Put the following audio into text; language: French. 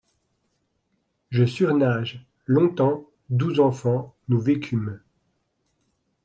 Je surnage. Longtemps, doux enfants, nous vécûmes